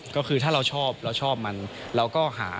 ก็คือถ้าเราชอบเราชอบมันเราก็หา